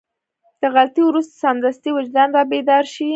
له غلطي وروسته سمدستي وجدان رابيدار شي.